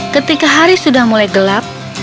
ketika hari sudah mulai gelap